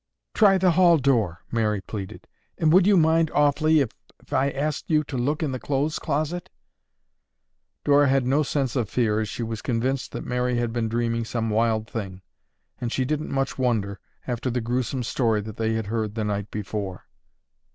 "Try the hall door," Mary pleaded, "and would you mind, awfully, if I asked you to look in the clothes closet?" Dora had no sense of fear as she was convinced that Mary had been dreaming some wild thing, and she didn't much wonder, after the gruesome story they had heard the night before.